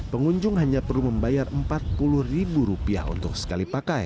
pengunjung hanya perlu membayar rp empat puluh untuk sekali pakai